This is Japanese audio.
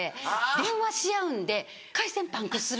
電話し合うんで回線パンクする。